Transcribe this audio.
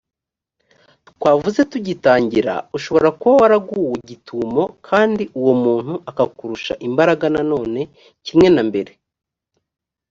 twavuze tugitangira ushobora kuba waraguwe gitumo kandi uwo muntu akakurusha imbaraga nanone kimwe na mbere